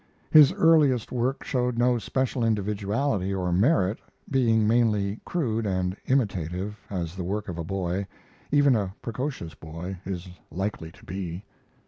His earliest work showed no special individuality or merit, being mainly crude and imitative, as the work of a boy even a precocious boy is likely to be.